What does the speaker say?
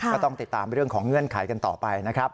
ก็ต้องติดตามเรื่องของเงื่อนไขกันต่อไปนะครับ